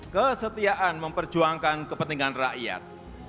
kesetiaan memperjuangkan kepentingan rakyat